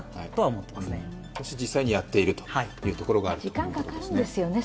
そして実際にやっているということがあるということですね。